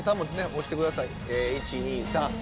押してください１２３。